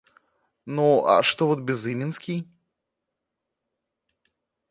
Ну, а что вот Безыменский?!